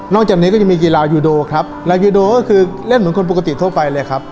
จากนี้ก็ยังมีกีฬายูโดครับลายูโดก็คือเล่นเหมือนคนปกติทั่วไปเลยครับ